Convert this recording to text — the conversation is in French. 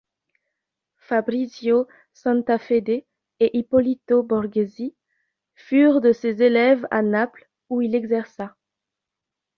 Fabrizio Santafede et Ippolito Borghesi furent de ses élèves à Naples où il exerça.